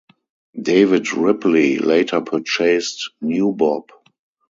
David Ripley later purchased New Bob.